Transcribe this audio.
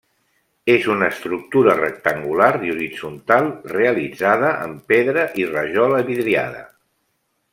És una estructura rectangular i horitzontal realitzada amb pedra i rajola vidriada.